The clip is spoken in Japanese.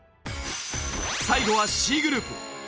最後はＣグループ。